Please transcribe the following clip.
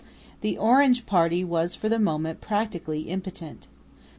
The "Orange party" was for the moment practically impotent.